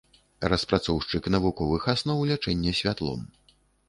Распрацоўшчык навуковых асноў лячэння святлом.